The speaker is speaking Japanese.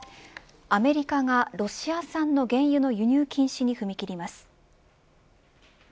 アメリカがロシア産の原油の輸入禁止に踏み切ります。